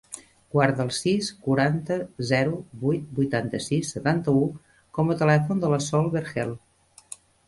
Guarda el sis, quaranta, zero, vuit, vuitanta-sis, setanta-u com a telèfon de la Sol Vergel.